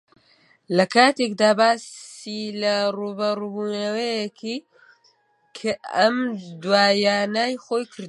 لەکاتێکدا باسی لە ڕووبەڕووبوونەوەیەکی ئەم دواییانەی خۆی کردبوو